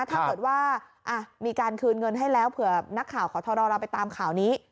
ถ้าเกิดว่ามีการคืนเงินให้แล้วเผื่อนักข่าวขอทรเราไปตามข่าวนี้